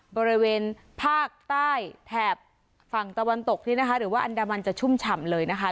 บริเวณภาคใต้แถบฝั่งตะวันตกนี้นะคะหรือว่าอันดามันจะชุ่มฉ่ำเลยนะคะ